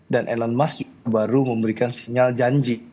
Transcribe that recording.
dan elon musk baru memberikan sinyal janji